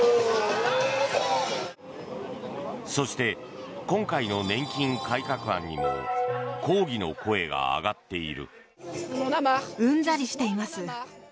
そして、今回の年金改革案にも抗議の声が上がっている。